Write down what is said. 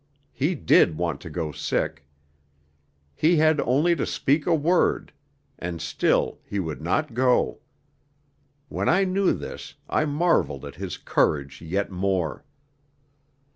He did want to go sick. He had only to speak a word; and still he would not go. When I knew this, I marvelled at his courage yet more.